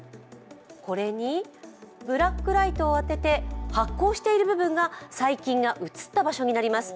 これにブラックライトを当てて発光している部分が細菌が移った場所になります。